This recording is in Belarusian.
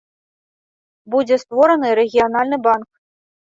Будзе створаны рэгіянальны банк.